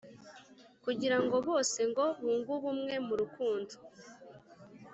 Kugirango bose ngo bunge ubumwe mu rukundo